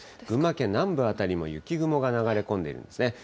群馬県南部辺りも雪雲が流れ込んでいるんですね。